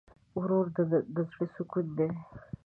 ورور د زړه سکون دی.